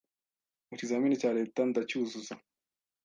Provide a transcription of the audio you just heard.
mu kizamini cya Leta ndacyuzuza